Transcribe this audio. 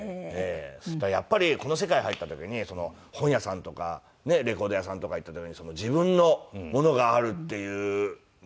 だからやっぱりこの世界に入った時に本屋さんとかレコード屋さんとか行った時に自分のものがあるっていうのを憧れていたんで。